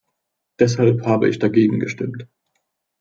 Deshalb habe ich dagegen gestimmt!